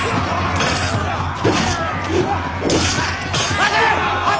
待て！